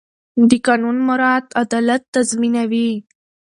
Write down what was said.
د قانون مراعت عدالت تضمینوي